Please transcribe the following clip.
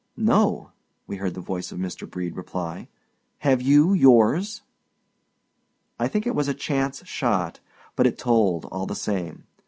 "No," we heard the voice of Mr. Brede reply. "Have you yours?" I think it was a chance shot; but it told all the same.